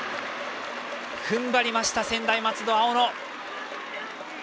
踏ん張りました専大松戸、青野。